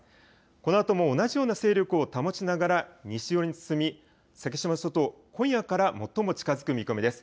このあとも同じような勢力を保ちながら西寄りに進み先島諸島、今夜から最も近づく見込みです。